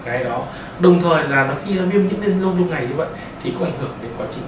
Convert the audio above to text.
gái đó đồng thời là nó khi nó biêm nhiễm lên lông đông ngày như vậy thì cũng ảnh hưởng đến quá trình